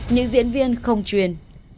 những diễn viên không truyền